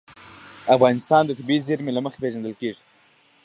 افغانستان د طبیعي زیرمې له مخې پېژندل کېږي.